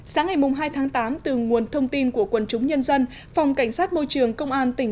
sáng ngày hai tháng tám từ nguồn thông tin của quần chúng nhân dân phòng cảnh sát môi trường công an tỉnh